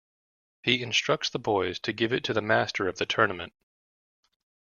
He instructs the boys to give it to the master of the tournament.